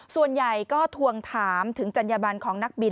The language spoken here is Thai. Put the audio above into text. ส่วนใหญ่ก็ทวงถามถึงจัญญบันของนักบิน